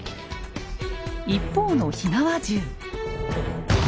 一方の火縄銃。